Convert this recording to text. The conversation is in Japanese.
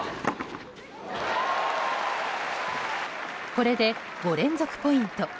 これで５連続ポイント。